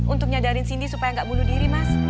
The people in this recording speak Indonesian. untuk nyadarin cindy supaya nggak bunuh diri mas